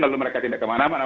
lalu mereka tidak kemana mana